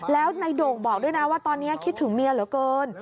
แล้วในโด่งบอกด้วยนะว่าตอนนี้คิดถึงเมียเหลือเกิน